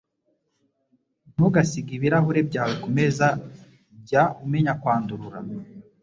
Ntugasige ibirahuri byawe kumeza jya umenya kwandurura